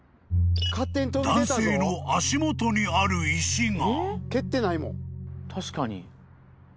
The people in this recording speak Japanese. ［男性の足元にある石が］